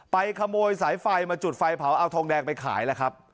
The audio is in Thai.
ขโมยสายไฟมาจุดไฟเผาเอาทองแดงไปขายแล้วครับ